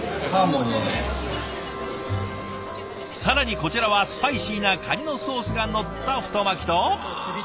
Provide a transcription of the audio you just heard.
更にこちらはスパイシーなかにのソースがのった太巻きと。